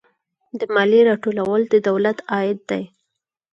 د مالیې راټولول د دولت عاید دی